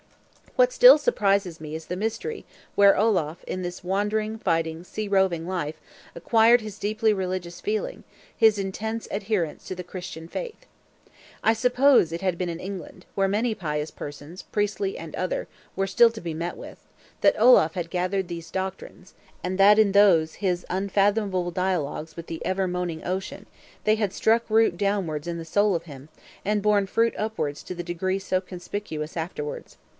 What still more surprises me is the mystery, where Olaf, in this wandering, fighting, sea roving life, acquired his deeply religious feeling, his intense adherence to the Christian Faith. I suppose it had been in England, where many pious persons, priestly and other, were still to be met with, that Olaf had gathered these doctrines; and that in those his unfathomable dialogues with the ever moaning Ocean, they had struck root downwards in the soul of him, and borne fruit upwards to the degree so conspicuous afterwards.